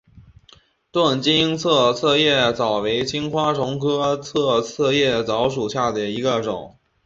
钝色侧刺叶蚤为金花虫科侧刺叶蚤属下的一个种。